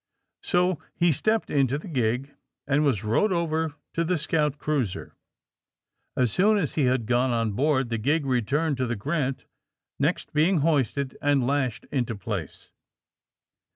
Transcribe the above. So he stepped into the gig and was rowed over to the scout cruiser. As soon as he had gone on board the gig returned to the *^ Grant, '' next being hoisted and lashed into place.